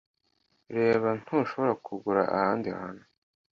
Reba, ntushobora kugura ahandi hantu.